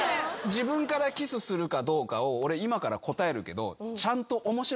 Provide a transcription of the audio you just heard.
自分からキスするかどうかを俺今から答えるけど。